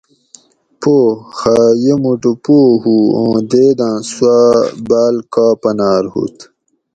پو: خہ یہ موٹو پو ہوُ اُوں دیداں سوا باۤل کا پنار ہوُت